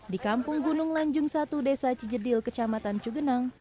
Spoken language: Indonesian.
di kampung gunung lanjung satu desa cijedil kecamatan cugenang